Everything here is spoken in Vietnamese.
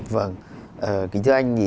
vâng kính thưa anh